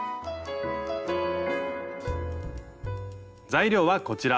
材料はこちら。